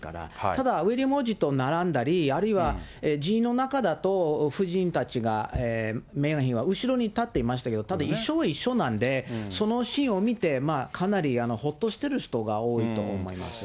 ただ、ウィリアム王子と並んだり、あるいは寺院の中だと、夫人たちが、メーガン妃が後ろに立ってましたけど、ただ、一緒は一緒なんで、そのシーンを見て、かなりほっとしてる人が多いと思います。